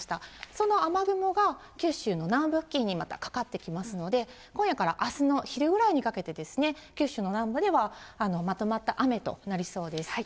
その雨雲が、九州の南部付近にまたかかってきますので、今夜からあすの昼ぐらいにかけて、九州の南部ではまとまった雨となりそうです。